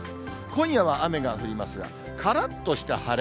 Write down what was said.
今夜は雨が降りますが、からっとした晴れ。